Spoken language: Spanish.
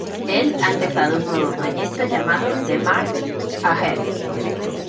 Él ha empezado un nuevo proyecto llamado The March Ahead.